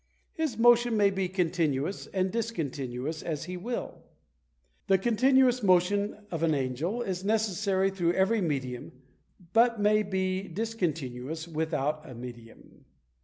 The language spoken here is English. His motion may be continuous and discontinuous as he will. The continuous motion of an angel is necessary through every medium, but may be discontinuous without a medium.